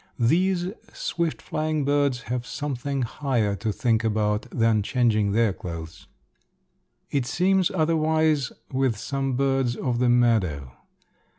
These swift flying birds have something higher to think about than changing their clothes. It seems otherwise with some birds of the meadow.